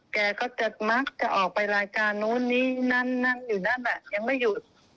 แกก็จะมักจะออกไปรายการนู้นนี่นั่นอยู่นั่นยังไม่หยุด